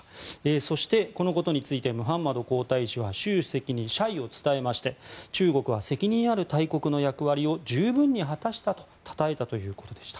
そして、このことについてムハンマド皇太子は習主席に謝意を伝えまして中国は責任ある大国の役割を十分に果たしたとたたえたということでした。